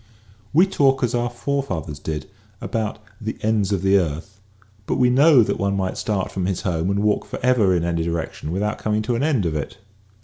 We talk as our forefathers did about " the ends of the earth " but we know that one might start from his home and walk forever in any' direction without coming to an end of it.